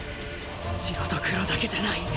白と黒だけじゃない。